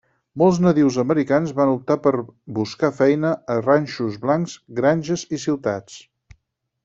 Molts nadius americans van optar per buscar feina a ranxos blancs, granges i ciutats.